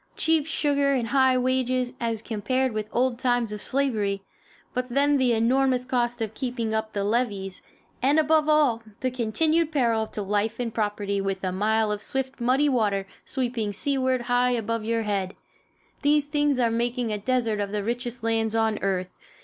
Cheap sugar and high wages, as compared with old times of slavery but then the enormous cost of keeping up the levees, and above all, the continued peril to life and property, with a mile of swift, muddy water sweeping seaward high above your head these things are making a desert of the richest lands on earth.